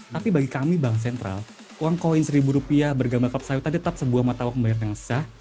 tapi bagi kami bank sentral uang koin seribu rupiah bergambar kepsawitan tetap sebuah mata uang bayar yang sah